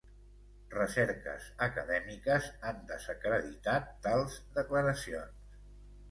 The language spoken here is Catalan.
Recerques acadèmiques han desacreditat tals declaracions.